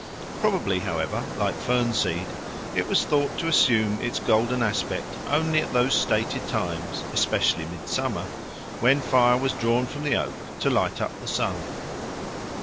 Probably, however, like fern seed, it was thought to assume its golden aspect only at those stated times, especially midsummer, when fire was drawn from the oak to light up the sun.